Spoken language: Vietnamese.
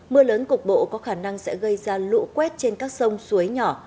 mưa lớn cục bộ có khả năng sẽ gây ra lũ quét trên các sông suối nhỏ